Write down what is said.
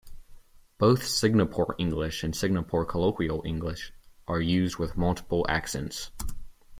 Both Singapore English and Singapore colloquial English are used with multiple accents.